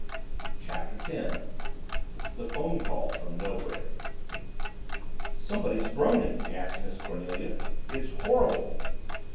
CHAPTER TEN THE PHONE CALL FROM NOWHERE "Somebody groaning!" gasped Miss Cornelia. "It's horrible!"